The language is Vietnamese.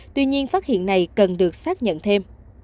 tuy nhiên phát hiện này cần được xác nhận thêm